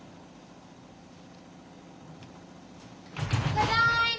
・・ただいま！